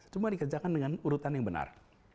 cuma dikerjakan dengan urutan yang benar